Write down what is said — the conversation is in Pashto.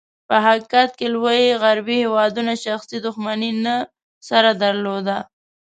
په حقیقت کې، لوېو غربي هېوادونو شخصي دښمني نه سره درلوده.